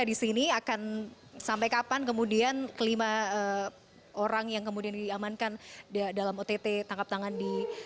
di sini akan sampai kapan kemudian kelima orang yang kemudian diamankan dalam ott tangkap tangan di